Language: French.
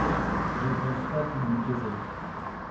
je ne pense pas qu'il lui plaisait.